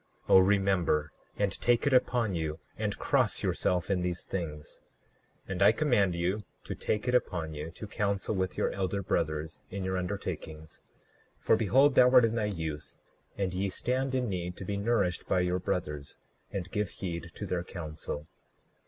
Oh, remember, and take it upon you, and cross yourself in these things. 39:10 And I command you to take it upon you to counsel with your elder brothers in your undertakings; for behold, thou art in thy youth, and ye stand in need to be nourished by your brothers. And give heed to their counsel.